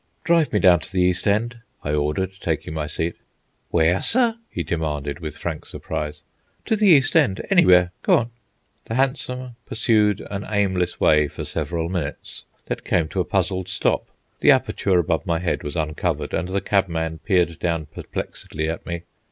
"Drive me down to the East End," I ordered, taking my seat. "Where, sir?" he demanded with frank surprise. "To the East End, anywhere. Go on." The hansom pursued an aimless way for several minutes, then came to a puzzled stop. The aperture above my head was uncovered, and the cabman peered down perplexedly at me.